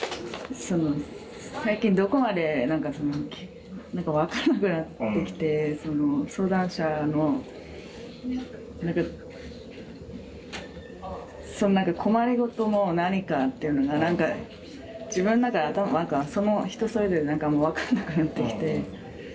最近どこまでなんかそのなんか分からなくなってきて相談者のなんか困りごとの何かっていうのがなんか自分の中で頭なんか人それぞれなんかもう分かんなくなってきて。